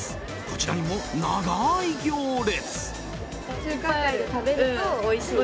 こちらにも長い行列！